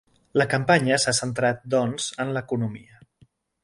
La campanya s’ha centrat, doncs, en l’economia.